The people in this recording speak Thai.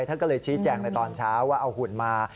ท่านก็เลยชี้แจงในตอนเช้าว่าเอาหุ่นมา